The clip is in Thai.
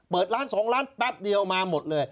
เปิดล้าน๒ล้านแป๊บเดียวมาหมดเลย